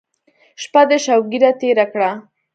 شپه دې شوګیره تېره کړه.